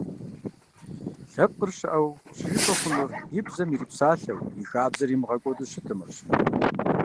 Лъэпкъыр щыӀэу щыжыпӀэ хъунур и бзэм ирипсалъэу, и хабзэр имыгъэкӀуэду щытымэщ.